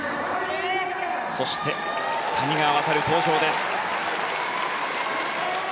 そして谷川航、登場です。